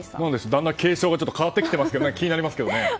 だんだん敬称が変わってきてて気になりますけどね。